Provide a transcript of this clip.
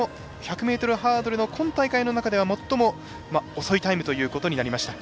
この１００ｍハードルの今大会の中では最も遅いタイムということになりました。